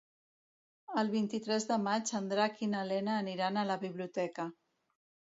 El vint-i-tres de maig en Drac i na Lena aniran a la biblioteca.